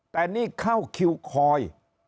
แต่นี่เข้าคิวคอย